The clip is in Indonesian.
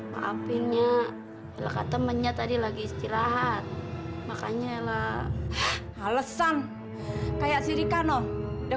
ngapainnya kata menyet tadi lagi istirahat makanya ella alesan kayak si rika no udah